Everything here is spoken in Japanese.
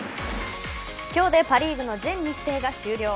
今日でパ・リーグの全日程が終了。